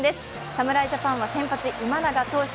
侍ジャパンは先発・今永投手。